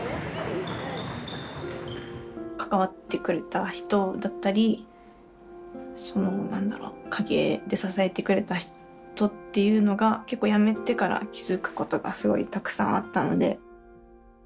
関わってくれた人だったりその何だろう陰で支えてくれた人っていうのが結構辞めてから気付くことがすごいたくさんあったので。